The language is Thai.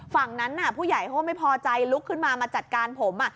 ฝั่งนั้นผู้ใหญ่เขาก็ไม่พอใจลุกขึ้นมามาจัดการผม